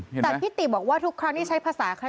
คุณพี่บอกว่าทุกครั้งที่ใช้ภาษา